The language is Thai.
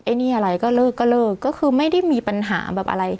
อันนี้อะไรก็เลิกก็เลิกก็คือไม่ได้มีปัญหาแบบอะไร